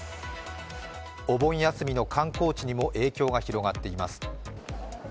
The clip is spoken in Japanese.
お盆休みの観光地にも影響が広がっています。